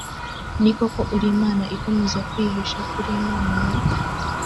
ni koko uri imana ikomeza kwihisha k uri imana ya